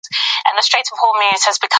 هغه د ټولنې د تحول او بدلون بحث کوي.